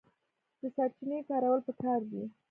د سرچینو کارول پکار دي